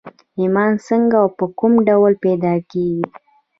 ايمان څنګه او په کوم ډول پيدا کېږي؟